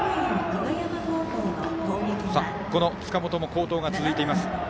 塚本も好投が続いています。